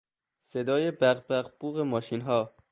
صدای بق بق بوق ماشینها